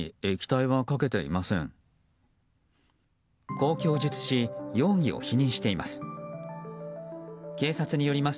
こう供述し容疑を否認しています。